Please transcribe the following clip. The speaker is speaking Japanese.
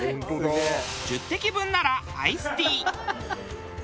１０滴分ならアイスティー。